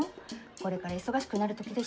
これから忙しくなる時でしょ？